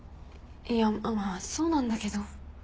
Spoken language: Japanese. いやまあそうなんだけど。